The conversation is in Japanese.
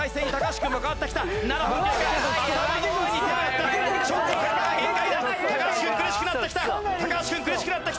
橋君苦しくなってきた！